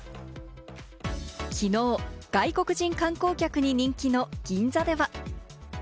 きのう、外国人観光客に人気の銀座では。